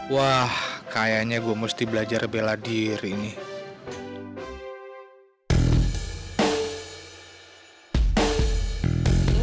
wah kayaknya gue mesti belajar bela diri nih